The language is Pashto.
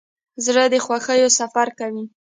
زړه د خوښیو سفر کوي.